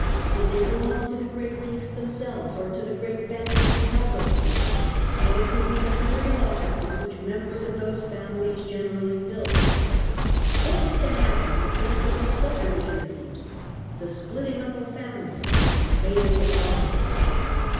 Did they belong to the great fiefs themselves, or to the great famihes which held those fiefs, or to the Imperial offices which members of those families generally filled ? What was to happen in case of the subdivision of fiefs, the splitting up of families, the abeyance of offices